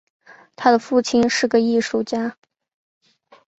他的父亲是个艺术家。